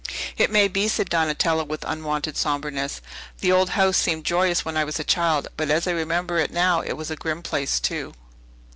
"It may he," said Donatello, with unwonted sombreness; "the old house seemed joyous when I was a child. But as I remember it now it was a grim place, too."